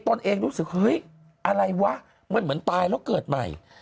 ตนเองรู้สึกเฮ้ยอะไรวะมันเหมือนตายแล้วเกิดใหม่